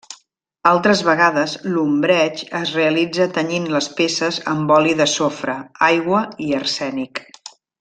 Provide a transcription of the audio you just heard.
Altres vegades l'ombreig es realitza tenyint les peces amb oli de sofre, aigua i arsènic.